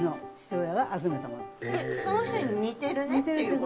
その人に似てるねっていう？